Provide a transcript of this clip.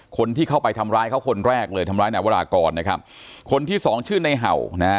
คนที่เข้าไปทำร้ายเขาคนแรกเลยทำร้ายนายวรากรนะครับคนที่สองชื่อในเห่านะฮะ